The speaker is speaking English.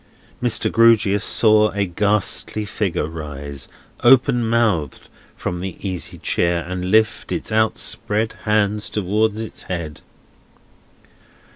Mr. Grewgious saw a ghastly figure rise, open mouthed, from the easy chair, and lift its outspread hands towards its head.